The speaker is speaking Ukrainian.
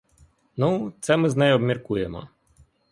Ну, це ми з нею обміркуємо.